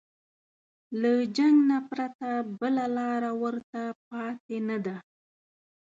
له جنګ نه پرته بله لاره ورته پاتې نه ده.